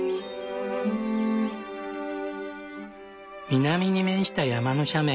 南に面した山の斜面。